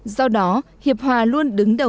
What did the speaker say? do đó hiệp hòa luôn đứng đầu